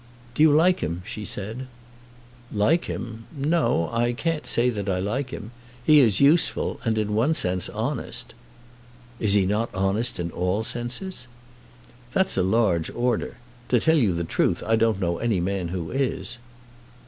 "Do you like him?" she said. "Like him. No; I can't say I like him. He is useful, and in one sense honest." "Is he not honest in all senses?" "That's a large order. To tell you the truth, I don't know any man who is."